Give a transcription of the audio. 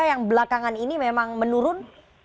yang belakangan ini memang menurun